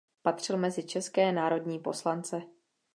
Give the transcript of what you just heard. Patřil mezi české národní poslance.